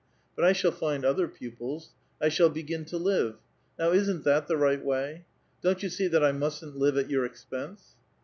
But I shall find other pupils. I shall begin to live. Now isn*t that the right way ? Don't you see that I mustn't live at your expense